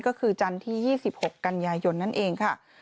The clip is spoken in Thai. ก็คือจันทร์ที่๒๖กันยายนนั่นเองค่ะ